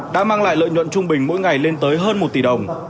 đã mang lại lợi nhuận trung bình mỗi ngày lên tới hơn một tỷ đồng